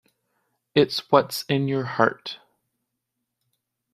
It's what's in your heart.